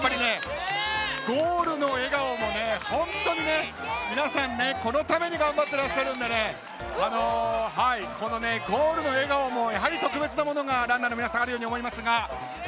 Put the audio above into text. ゴールの笑顔も本当に皆さんこのために頑張ってらっしゃるのでゴールの笑顔もやはり特別なものがランナーの皆さんにあるように思います。